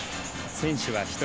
選手は１人。